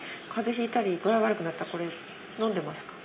ひいたり具合悪くなったらこれのんでますか？